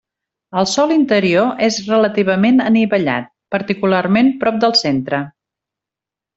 El sòl interior és relativament anivellat, particularment prop del centre.